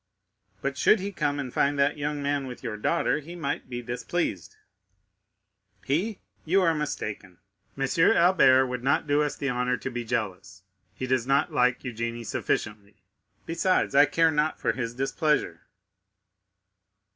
"But should he come and find that young man with your daughter, he might be displeased." "He? You are mistaken. M. Albert would not do us the honor to be jealous; he does not like Eugénie sufficiently. Besides, I care not for his displeasure."